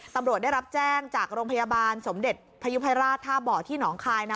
ตำรวจได้รับแจ้งจากโรงพยาบาลสมเด็จพยุพราชท่าเบาะที่หนองคายนะ